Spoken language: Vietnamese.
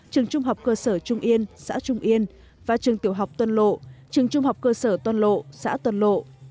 trường trung học cơ sở trung yên xã trung yên và trường tiểu học tuần lộ trường trung học cơ sở tuần lộ xã tuần lộ